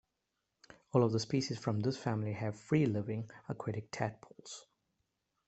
All of the species from this family have free-living, aquatic tadpoles.